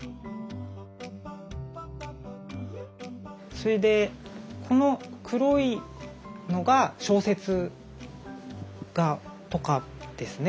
それでこの黒いのが小説とかですね。